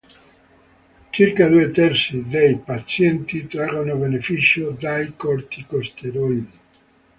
Circa due terzi dei pazienti traggono beneficio dai corticosteroidi.